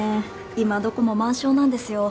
今どこも満床なんですよ。